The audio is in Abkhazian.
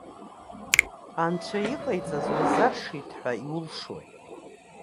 Анцәа иҟаиҵаз уазашшит ҳәа иулшои?